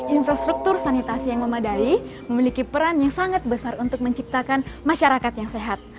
infrastruktur sanitasi yang memadai memiliki peran yang sangat besar untuk menciptakan masyarakat yang sehat